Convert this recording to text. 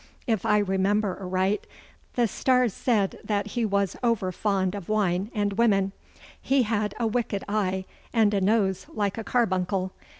If I remember aright, the stars said that he was over fond of wine and women he had a wicked eye and a nose like a carbuncle.